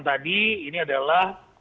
tadi ini adalah